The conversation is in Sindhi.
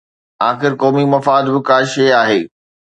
آخر قومي مفاد به ڪا شيءِ آهي.